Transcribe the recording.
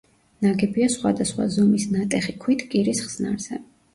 ნაგებია სხვადასხვა ზომის ნატეხი ქვით, კირის ხსნარზე.